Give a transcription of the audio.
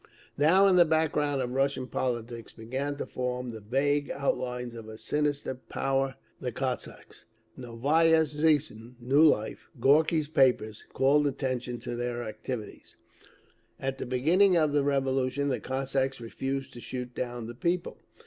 Now in the background of Russian politics began to form the vague outlines of a sinister power—the Cossacks. Novaya Zhizn (New Life), Gorky's paper, called attention to their activities: At the beginning of the Revolution the Cossacks refused to shoot down the people.